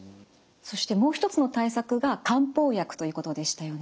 そしてもう一つの対策が漢方薬ということでしたよね。